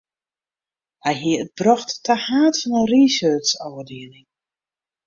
Hy hie it brocht ta haad fan in researchôfdieling.